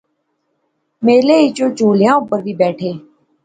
میلے اچ اوہ چُہولیاں اوپر وی بیٹھے